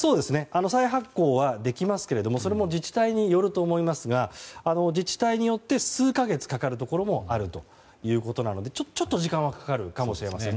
再発行はできますけれども自治体によると思いますが自治体によって数か月かかるところもあるということなのでちょっと時間はかかるかもしれません。